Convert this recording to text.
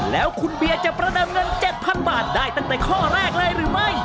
แล้วคุณเบียร์จะประเดิมเงิน๗๐๐บาทได้ตั้งแต่ข้อแรกเลยหรือไม่